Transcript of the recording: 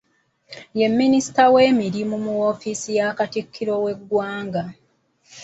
Ye minista w'emirimu mu offisi ya Kattikiro w'egwanga